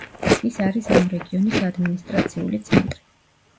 ის არის ამ რეგიონის ადმინისტრაციული ცენტრი.